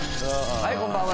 はいこんばんは。